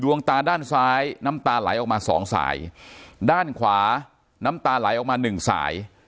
ตาด้านซ้ายน้ำตาไหลออกมาสองสายด้านขวาน้ำตาไหลออกมาหนึ่งสาย